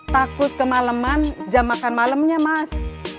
takut kemaleman jam makan malamnya mas